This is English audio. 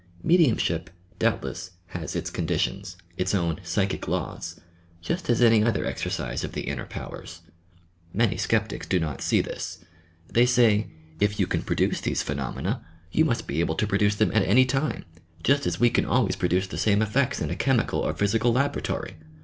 Mediumship, doubtless, has its "con ditions" — its own psychic laws — just as any other ex ercise of the inner powers. Many sceptics do not see this. They say : "If you can produce these phenomena, you must be able to produce them at any time, just as we can always produce the same effects in a chemical or physical laboratory!